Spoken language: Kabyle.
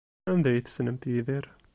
Anda ay tessnemt Yidir?